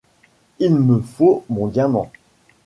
Il me faut mon diamant !…